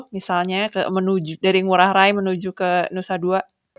misalnya dari ngurah rai menuju ke nusa dua